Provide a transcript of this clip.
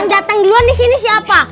dateng duluan disini siapa